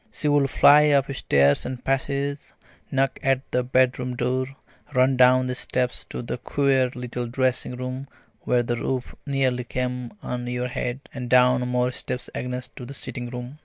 She would fly up stairs and passages, knock at the bedroom door, run down the steps to the queer little dressing room where the roof nearly came on your head, and down more steps again to the sitting room.